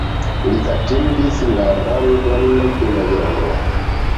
Li atingis la rangon de majoro.